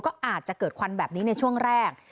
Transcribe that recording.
ก็อาจจะเกิดควันแบบนี้ในช่วงแรก